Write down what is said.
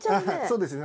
そうですね。